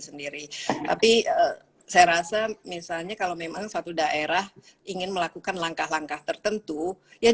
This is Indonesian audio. sendiri tapi saya rasa misalnya kalau memang suatu daerah ingin melakukan langkah langkah tertentu ya